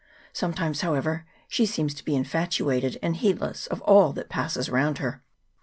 Sometimes, however, she seems to be infatuated, and heedless of all that passes around her.